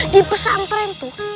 di pesantren tuh